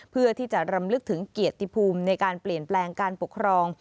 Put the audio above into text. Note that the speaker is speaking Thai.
เพื่อที่จะรำลึกถึงเกียรติภูมิในการเปลี่ยนแปลงการปกครอง